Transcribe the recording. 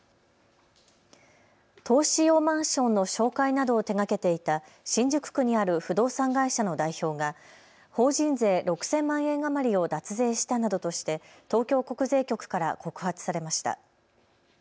投資用マンションの紹介などを手がけていた新宿区にある不動産会社の代表が法人税６０００万円余りを脱税したなどとして東京国税局から告発されました。